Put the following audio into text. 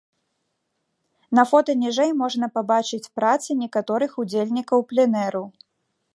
На фота ніжэй можна пабачыць працы некаторых удзельнікаў пленэру.